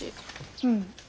うん。